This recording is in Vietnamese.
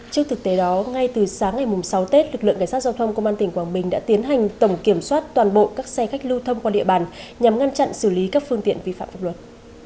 trước thực tế đó ngay từ sáng ngày sáu tết lực lượng cảnh sát giao thông công an tỉnh quảng bình đã tiến hành tổng kiểm soát toàn bộ các xe khách lưu thông qua địa bàn nhằm ngăn chặn xử lý các phương tiện vi phạm pháp luật